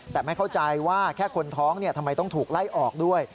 แต่ไม่เข้าใจว่าแค่คนท้องทำไมต้องถูกไล่ออกด้วย